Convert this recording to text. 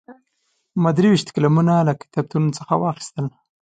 ما درې ویشت قلمونه له کتابتون څخه واخیستل.